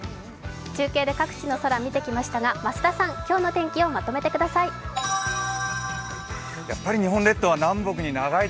中継で各地の天気見てきましたが増田さん今日の天気をまとめてください。